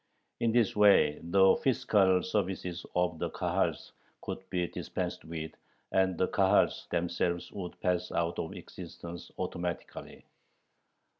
In this way the fiscal services of the Kahals could be dispensed with, and the Kahals themselves would pass out of existence automatically.